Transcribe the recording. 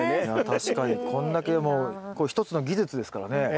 確かにこんだけもう一つの技術ですからね。